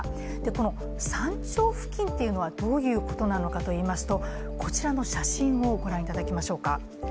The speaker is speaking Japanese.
この山頂付近っていうのはどういうことなのかといいますとこちらの写真をご覧いただきましょうか。